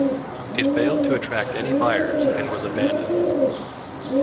It failed to attract any buyers and was abandoned.